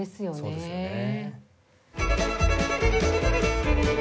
そうですよね。